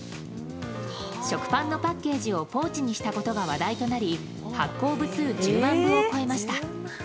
食パンのパッケージをポーチにしたことが話題となり発行部数１０万部を超えました。